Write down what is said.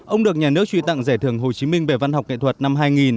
ông được nhà nước truy tặng giải thưởng hồ chí minh về văn học nghệ thuật năm hai nghìn